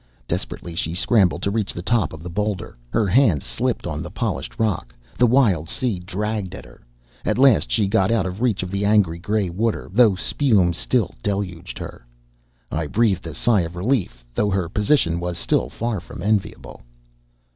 Desperately she scrambled to reach the top of the boulder. Her hands slipped on the polished rock; the wild sea dragged at her. At last she got out of reach of the angry gray water, though spume still deluged her. I breathed a sigh of relief, though her position was still far from enviable.